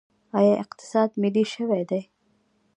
آیا اقتصاد ملي شوی دی؟